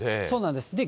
そうなんです。